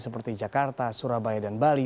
seperti jakarta surabaya dan bali